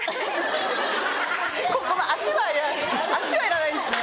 この足は足はいらないですね